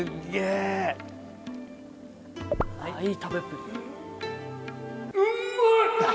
いい食べっぷり。